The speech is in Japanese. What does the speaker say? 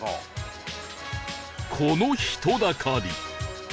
この人だかり